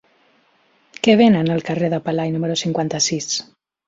Què venen al carrer de Pelai número cinquanta-sis?